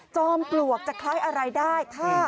จอมปลวกจะคล้ายอะไรได้ค่ะ